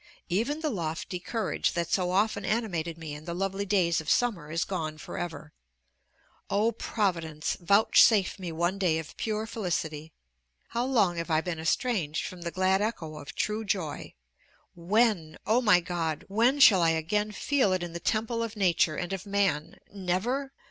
Even the lofty courage that so often animated me in the lovely days of summer is gone forever. O Providence! vouchsafe me one day of pure felicity! How long have I been estranged from the glad echo of true joy! When! O my God! when shall I again feel it in the temple of nature and of man? never?